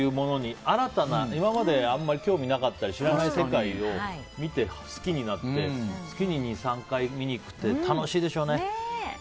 今まであまり興味なかったり知らない世界を見て好きになって月に２３回見に行くって楽しいでしょうね。